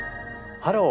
「ハロー！